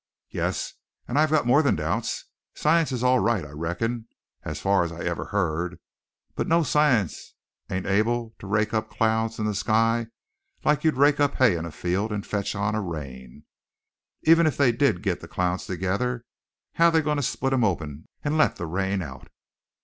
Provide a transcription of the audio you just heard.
"Yes, and I've got more than doubts. Science is all right, I reckon, as fur as I ever heard, but no science ain't able to rake up clouds in the sky like you'd rake up hay in a field and fetch on a rain. Even if they did git the clouds together, how're they goin' to split 'em open and let the rain out?"